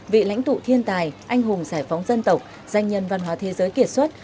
vị lãnh tụ thiên tài anh hùng giải phóng dân tộc danh nhân văn hóa thế giới kiệt xuất